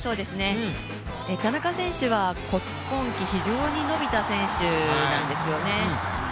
田中選手は今季非常に伸びた選手なんですよね。